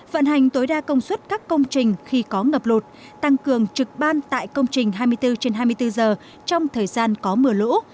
vận hành tối đa công suất các công trình khi có ngập lụt tăng cường trực ban tại công trình hai mươi bốn trên hai mươi bốn giờ trong thời gian có mưa lũ